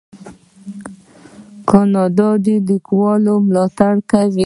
کاناډا د لیکوالانو ملاتړ کوي.